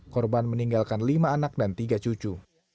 korban meninggalkan lima anak dan tiga cucu